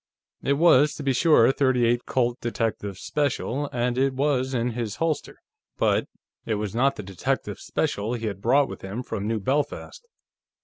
It was, to be sure, a .38 Colt Detective Special, and it was in his holster, but it was not the Detective Special he had brought with him from New Belfast.